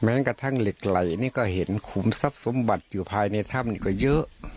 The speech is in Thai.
กระทั่งเหล็กไหล่นี่ก็เห็นขุมทรัพย์สมบัติอยู่ภายในถ้ำนี่ก็เยอะ